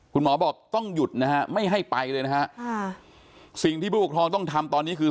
คุณหมอบอกต้องหยุดนะฮะไม่ให้ไปเลยนะฮะค่ะสิ่งที่ผู้ปกครองต้องทำตอนนี้คือ